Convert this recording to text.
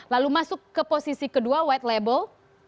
lalu masuk ke posisi kedua white label